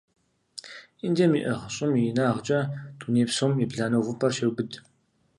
Индием иӀыгъ щӀым и инагъкӀэ дуней псом ебланэ увыпӀэр щеубыд.